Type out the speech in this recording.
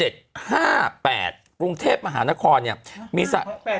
กรุงเทพมหานครเนี่ยมี